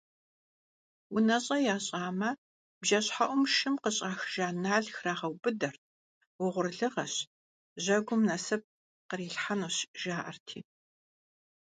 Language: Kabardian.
УнэщӀэ ящӀамэ, бжэщхьэӀум шым къыщӀахыжа нал храгъэубыдэрт, угъурлыгъэщ, жьэгум насып кърилъхьэнущ жаӀэрти.